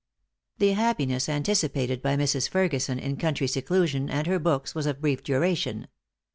The happiness anticipated by Mrs. Ferguson in country seclusion and her books, was of brief duration.